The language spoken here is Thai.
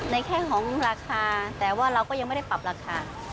แค่ของราคาแต่ว่าเราก็ยังไม่ได้ปรับราคา